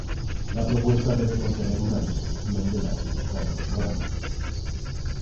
La propuesta debe contener una descripción de la utilidad del programa.